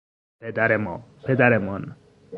پدر ما، پدرمان